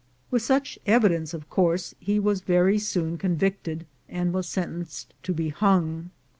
With such evidence, of course, he was very soon con victed, and was sentenced to be hung.